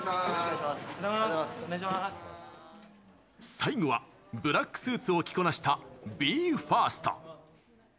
最後はブラックスーツを着こなした、ＢＥ：ＦＩＲＳＴ。